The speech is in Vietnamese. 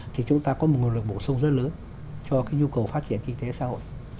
thì chúng ta có một nguồn lực bổ sung rất lớn cho cái nhu cầu phát triển kinh tế xã hội